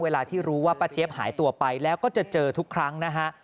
ที่รู้ว่าป้าเจี๊ยบหายตัวไปแล้วก็จะเจอทุกครั้งนะฮะ